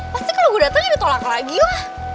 pasti kalo gue dateng jadi tolak lagi lah